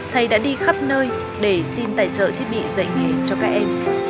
thầy đã đi khắp nơi để xin tài trợ thiết bị dạy nghề cho các em